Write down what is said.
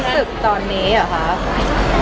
ตอนรู้สึกตอนเนี่ยอ่ะคะ